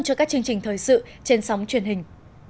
cho các chương trình thời sự trên sóng truyền hình